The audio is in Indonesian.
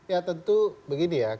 ya tentu begini ya